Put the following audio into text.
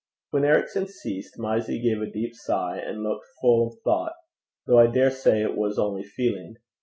When Ericson ceased, Mysie gave a deep sigh, and looked full of thought, though I daresay it was only feeling.